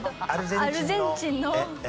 アルゼンチンの。